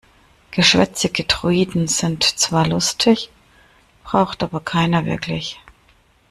Geschwätzige Droiden sind zwar lustig, braucht aber keiner wirklich.